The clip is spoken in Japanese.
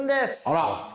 あら。